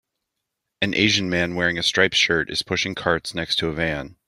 An Asian man wearing a striped shirt is pushing carts next to a van.